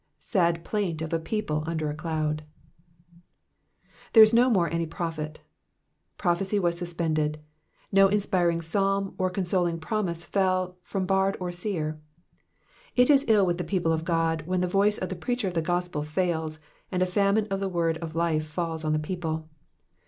Sad plaint of a people under a cloud I ''''There is no more any prophet.^'* Prophecy was suspended. No inspiring psalm or consoling promise fell from bard or seer. It is ill with the people of God when the voice of the preacher of the gospel fails, and a famine of the word of life falls on the people.